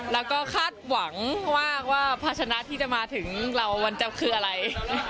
แล้วก็คาดหวังว่าภาชนะที่จะมาถึงเรามันจะคืออะไร